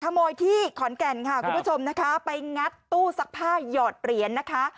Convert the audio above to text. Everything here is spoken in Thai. ขโมยที่ขอนแก่นค่ะคุณผู้ชมนะคะไปงัดตู้ซักผ้าหยอดเหรียญนะคะ